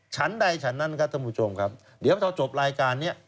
ชั้นใดขั้นนั้นเดี๋ยวเวลาจบรายการ